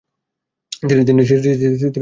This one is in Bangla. তিনি ছিলেন স্মৃতির টাইটান দেবী।